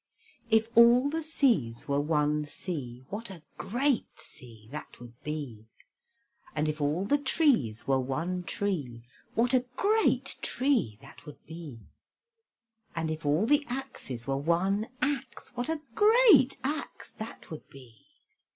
If all the seas were one sea, What a great sea that would be! And if all the trees were one tree, What a great tree that would be! And if all the axes were one axe, What a great axe that would be!